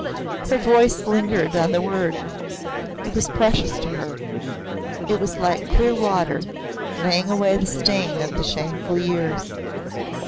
Her voice lingered on the word. It was precious to her. It was like clear water, laying away the stain of the shameful years.